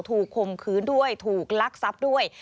ถูกคมคืนด้วยถูกลักซับด้วย